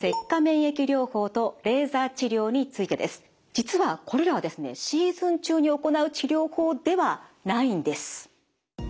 実はこれらはですねシーズン中に行う治療法ではないんです。